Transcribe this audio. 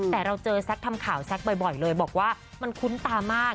แต่เราเจอแซคทำข่าวแซคบ่อยเลยบอกว่ามันคุ้นตามาก